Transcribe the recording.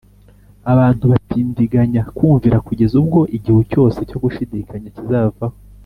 abantu batindiganya kumvira kugeza ubwo igihu cyose cyo gushidikanya kizavaho,